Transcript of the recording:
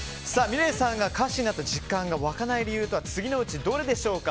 ｍｉｌｅｔさんが歌手になった実感が湧かない理由とは次のうちどれでしょうか？